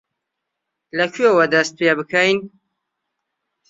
لەکوێوە دەست پێ بکەین؟